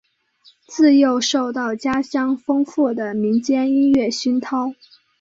自幼受到家乡丰富的民间音乐熏陶。